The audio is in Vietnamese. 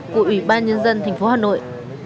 của ubnd tp hà nội